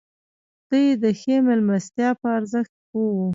دوی د ښې مېلمستیا په ارزښت پوه وو.